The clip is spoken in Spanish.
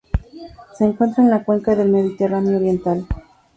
Se encuentra en la Cuenca del Mediterráneo oriental.